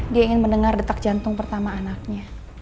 dia ingin mendengar detak jantung pertama anaknya